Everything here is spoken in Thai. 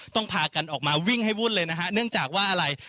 พากันออกมาวิ่งให้วุ่นเลยนะฮะเนื่องจากว่าอะไร